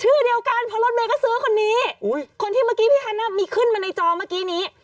ชื่อเดียวกันเพราะรถเมย์ก็ซื้อคนนี้คนที่เมื่อกี้พี่ฮันอ่ะมีขึ้นมาในจอเมื่อกี้นี้